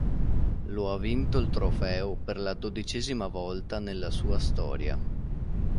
Lo ha vinto il trofeo per la dodicesima volta nella sua storia.